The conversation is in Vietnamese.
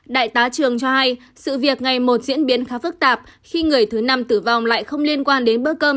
đại tá trường cho hay sự việc ngày một diễn biến khá phức tạp khi người thứ năm tử vong lại không liên quan đến bữa cơm